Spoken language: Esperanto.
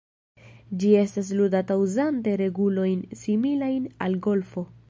Ĝi estas ludata uzante regulojn similajn al golfo.